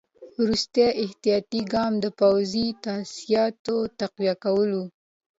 وروستی احتیاطي ګام د پوځي تاسیساتو تقویه کول وو.